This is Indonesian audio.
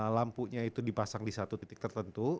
lampunya itu dipasang di satu titik tertentu